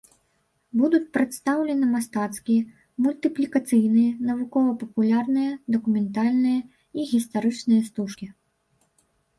Будуць прадстаўленыя мастацкія, мультыплікацыйныя, навукова-папулярныя, дакументальныя і гістарычныя стужкі.